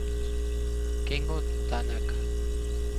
Kengo Tanaka